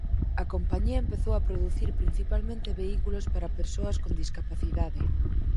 A compañía empezou a producir principalmente vehículos para persoas con discapacidade.